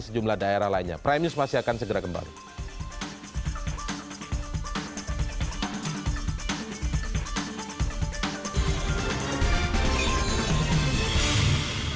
sejumlah daerah lainnya prime news masih akan segera kembali